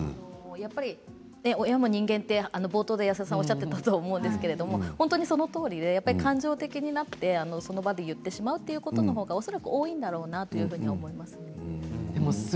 やっぱり親も人間と冒頭で安田さんがおっしゃっていたと思うんですけれども本当にそのとおりで感情的になってその場で言ってしまうということの方が恐らく多いんだろうなと思います。